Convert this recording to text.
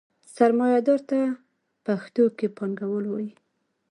سرمایدار ته پښتو کې پانګوال وايي.